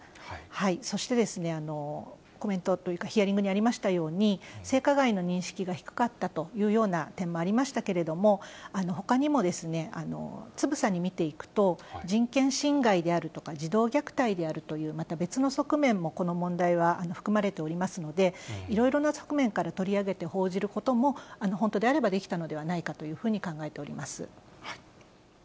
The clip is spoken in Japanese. そしてですね、コメントというか、ヒアリングにありましたように、性加害の認識が低かったというような点もありましたけれども、ほかにもつぶさに見ていくと、人権侵害であるとか、児童虐待であるという、また別の側面もこの問題は含まれておりますので、いろいろな側面から取り上げて報じることも、本当であればできたのではないかというふうに考えております。